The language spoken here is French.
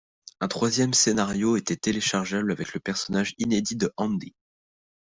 Un troisième scénario était téléchargeable avec le personnage inédit de Andy.